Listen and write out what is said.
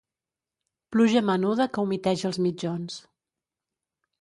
Pluja menuda que humiteja els mitjons.